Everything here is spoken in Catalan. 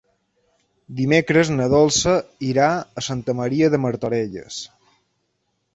Dimecres na Dolça irà a Santa Maria de Martorelles.